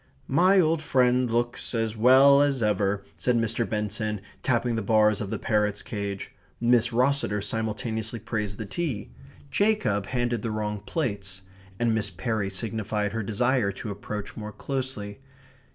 "My old friend looks as well as ever," said Mr. Benson, tapping the bars of the parrot's cage; Miss Rosseter simultaneously praised the tea; Jacob handed the wrong plates; and Miss Perry signified her desire to approach more closely.